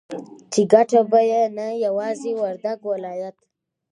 چې گټه به يې نه يوازې وردگ ولايت